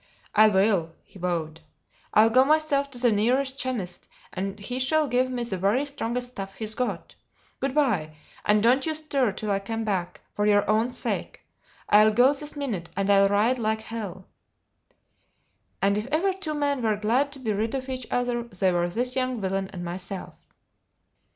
"I will!" he vowed. "I'll go myself to the nearest chemist, and he shall give me the very strongest stuff he's got. Good by, and don't you stir till I come back for your own sake. I'll go this minute, and I'll ride like hell!" And if ever two men were glad to be rid of each other, they were this young villain and myself.